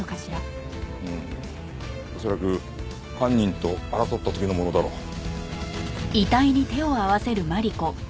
うん恐らく犯人と争った時のものだろう。